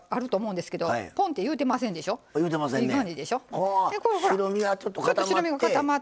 あ白身がちょっと固まって。